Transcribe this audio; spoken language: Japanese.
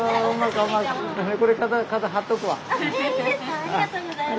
ありがとうございます。